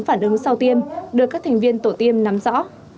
phản ứng sau tiêm được các thành viên tổ tiêm nắm rõ